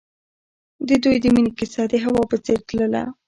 د دوی د مینې کیسه د هوا په څېر تلله.